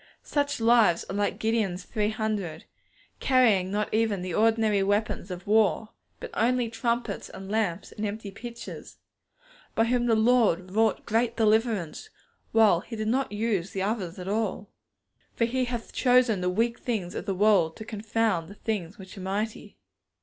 Such lives are like Gideon's three hundred, carrying not even the ordinary weapons of war, but only trumpets and lamps and empty pitchers, by whom the Lord wrought great deliverance, while He did not use the others at all. For He hath chosen the weak things of the world to confound the things which are mighty.